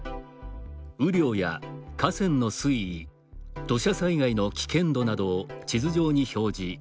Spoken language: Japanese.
雨量や河川の水位土砂災害の危険度などのデータを地図上に分かりやすく表示。